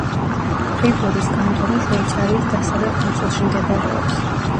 ფრიბურის კანტონი შვეიცარიის დასავლეთ ნაწილში მდებარეობს.